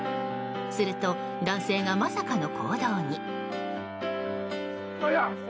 すると、男性がまさかの行動に。